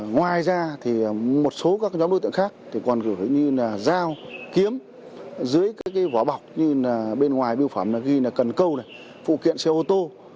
ngoài ra thì một số các nhóm đối tượng khác còn gửi như là giao kiếm dưới cái vỏ bọc như là bên ngoài biểu phẩm ghi là cần câu phụ kiện xe ô tô